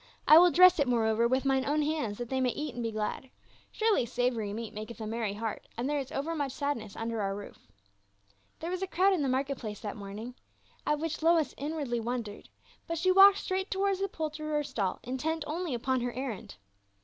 I will dress it moreover with mine own hands that they may eat and be glad ; surely savory meat maketh a merry heart, and there is overmuch sadness under our roof" There was a crowd in the market place that morn ing, at which Lois inwardly Avondcred, but she walked straight towards the poulterer's stall, intent only upon her errand.